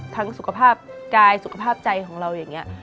สุขภาพกายสุขภาพใจของเราอย่างนี้